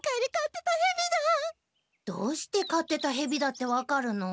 どうして飼ってたヘビだって分かるの？